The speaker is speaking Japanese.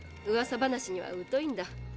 うわさ話にはうといんだ。